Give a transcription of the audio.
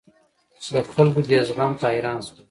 د خلکو دې زغم ته حیران شوم.